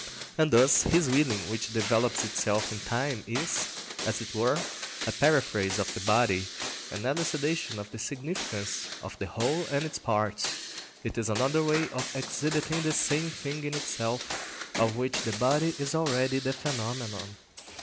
And thus his willing which develops itself in time is, as it were, a paraphrase of his body, an elucidation of the significance of the whole and its parts; it is another way of exhibiting the same thing in itself, of which the body is already the phenomenon.